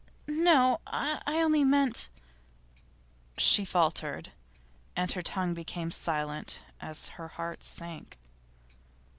'No. I only meant ' She faltered, and her tongue became silent as her heart sank.